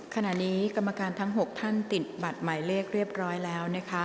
ขณะนี้กรรมการทั้ง๖ท่านติดบัตรหมายเลขเรียบร้อยแล้วนะคะ